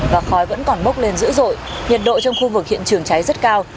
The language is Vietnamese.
và khói vẫn còn bốc lên dữ dội nhiệt độ trong khu vực hiện trường cháy rất cao